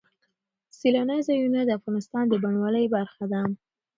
سیلانی ځایونه د افغانستان د بڼوالۍ برخه ده.